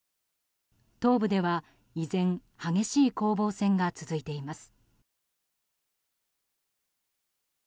東部では依然激しい攻防戦が続いています。